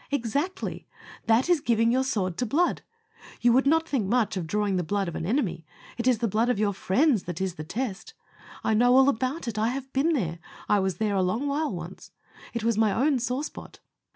Exactly; that is giving your sword to blood. You would not think much of drawing the blood of an enemy it is the blood of your friends that is the test! I know all about it; I have been there. I was there a long while once. It was my own sore spot.